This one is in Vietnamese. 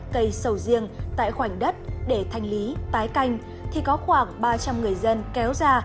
cây sầu riêng tại khoảnh đất để thanh lý tái canh thì có khoảng ba trăm linh người dân kéo ra